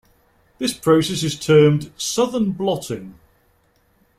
This process is termed Southern blotting.